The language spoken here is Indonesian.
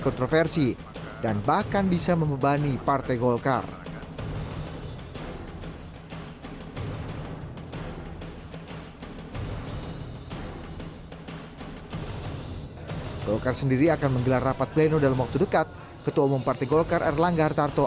kontroversi dan bahkan bisa membebani partai golkar sendiri akan menggelar rapat pleno dalam waktu dekat ketua umum partai golkar erlangga hartarto